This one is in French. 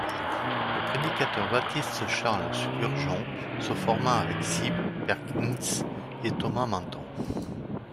Le prédicateur baptiste Charles Spurgeon se forma avec Sibbes, Perkins et Thomas Manton.